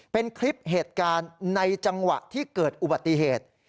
เป็นคลิปเหตุการณ์ในจังหวะที่เกิดอุบัติเหตุ